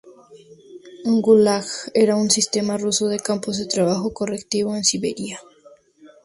Un Gulag era un sistema ruso de "campos de trabajo correctivo" en Siberia.